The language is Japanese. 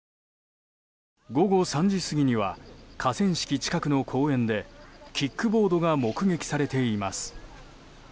午後３時過ぎには河川敷近くの公園でキックボードが目撃されています。